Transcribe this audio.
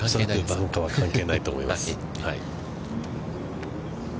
バンカーは関係ないと思います。